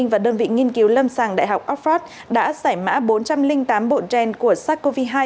và đơn vị nghiên cứu lâm sàng đại học oxford đã giải mã bốn trăm linh tám bộn gen của sars cov hai